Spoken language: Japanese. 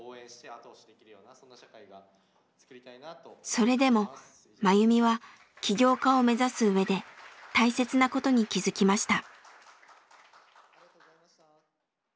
それでもマユミは企業家を目指すうえで大切なことに気付きました。